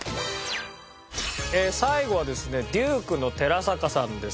最後はですねＤＵＫＥの寺坂さんです。